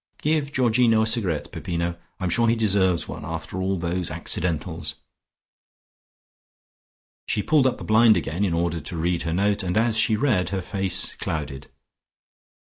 Give Georgino a cigarette, Peppino! I am sure he deserves one, after all those accidentals." She pulled up the blind again in order to read her note and as she read her face clouded.